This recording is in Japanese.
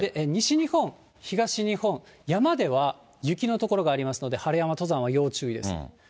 西日本、東日本、山では雪の所がありますので、春山登山は要注意です。